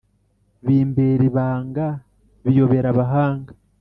Bimbera ibanga biyobera abahanga